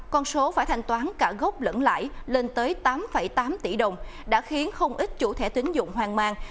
con số phải thanh toán cả gốc lẫn lãi lên tới tám tám tỷ đồng đã khiến không ít chủ thẻ tính dụng hoang mang